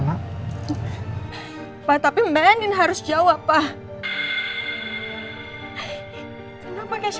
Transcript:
kenapa kaisa harus meninggal sedangkan mba anin baik baik aja